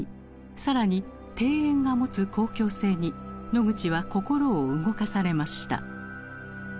更に庭園が持つ「公共性」にノグチは心を動かされました。